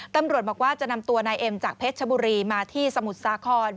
ตำรวจบอกว่าจะนำตัวนายเอ็มจากเพชรชบุรีมาที่สมุทรสาคร